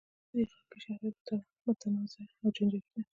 د دې خاکې شخصیت متنازعه او جنجالي دی.